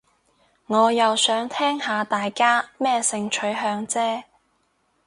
我又想聽下大家咩性取向啫